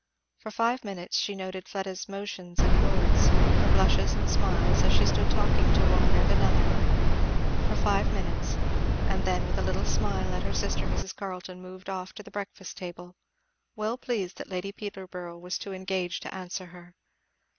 For five minutes she noted Fleda's motions and words, her blushes and smiles, as she stood talking to one and another; for five minutes, and then with a little smile at her sister Mrs. Carleton moved off to the breakfast table, well pleased that Lady Peterborough was too engaged to answer her.